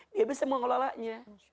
dia bisa mengelolanya